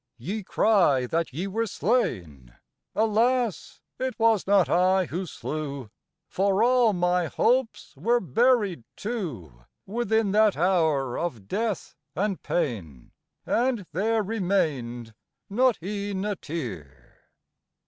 Ye cry that ye were slain Alas! it was not I who slew, For all my hopes were buried too Within that hour of death and pain, And there remained not e'en a tear.